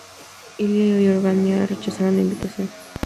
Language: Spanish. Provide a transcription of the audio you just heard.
Illia y Onganía rechazaron la invitación.